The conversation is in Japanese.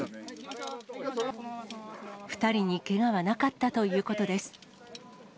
２人にけがはなかったということです。